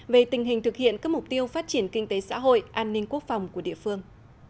về tình hình thực hiện các mục tiêu phát triển kinh tế xã hội an ninh quốc phòng của địa phương